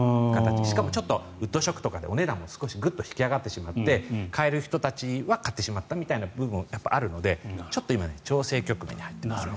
しかもちょっとウッドショックとかでお値段もグッと引き上がってしまって買える人たちは買ってしまったという部分がやっぱりあるのでちょっと今、調整局面に入っていますね。